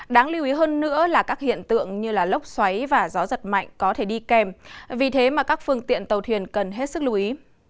đáng lưu ý hơn nữa là các hiện tượng như lốc xoáy và gió giật mạnh có thể đi kèm vì thế mà các phương tiện tàu thuyền cần hết sức lưu ý